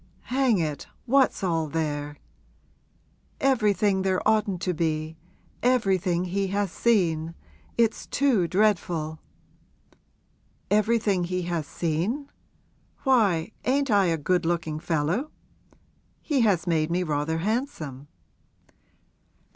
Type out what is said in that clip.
'Hang it, what's all there?' 'Everything there oughtn't to be everything he has seen it's too dreadful!' 'Everything he has seen? Why, ain't I a good looking fellow? He has made me rather handsome.'